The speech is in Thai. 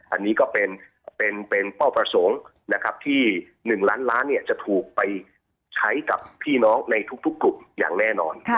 อันนี้ก็เป็นเป้าประสงค์นะครับที่๑ล้านล้านจะถูกไปใช้กับพี่น้องในทุกกลุ่มอย่างแน่นอน